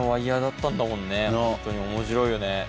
ホントに面白いよね。